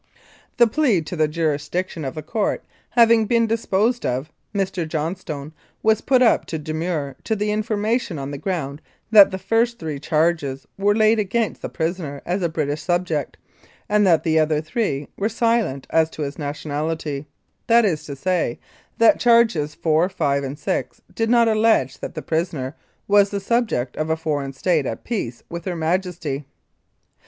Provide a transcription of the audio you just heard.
The plea to the jurisdiction of the Court having been disposed of, Mr. Johnstone was put up to demur to the information on the ground that the first three charges were laid against the prisoner as a British subject, and that the other three were silent as to his nationality that is to say, that charges four, five and six did not allege that the prisoner was the subject of a foreign state at peace with Her Majesty.